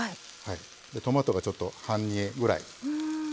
でトマトがちょっと半煮えぐらい。